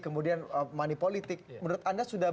kemudian money politik menurut anda sudah